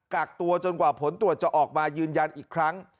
กตัวจนกว่าผลตรวจจะออกมายืนยันอีกครั้ง